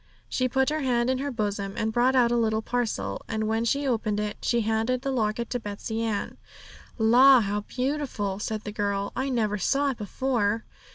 She put her hand in her bosom, and brought out a little parcel, and when she had opened it she handed the locket to Betsey Ann. 'La, how beautiful!' said the girl; 'I never saw it before.'